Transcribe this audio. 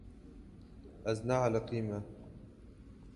Ez nealiqîme.